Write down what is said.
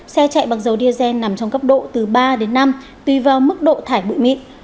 xe chạy bằng dầu diesel nằm trong cấp độ từ ba đến năm tùy vào mức độ thải bụi mịn